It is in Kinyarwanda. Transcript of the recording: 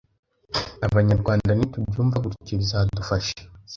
Abanyarwanda nitubyumva gutyo bizadufasha